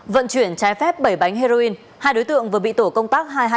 vận chuyển trái phép bảy bánh heroin hai đối tượng vừa bị tổ công tác hai trăm hai mươi ba